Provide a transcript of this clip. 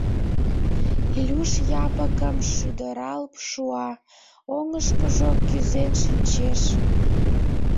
Илюш Япыкым шӱдырал шуа, оҥышкыжо кӱзен шинчеш.